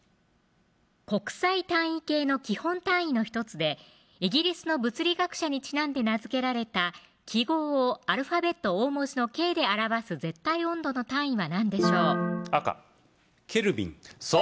国際単位系の基本単位の１つでイギリスの物理学者にちなんで名付けられた記号をアルファベット大文字のＫで表す絶対温度の単位は何でしょう赤ケルビンそう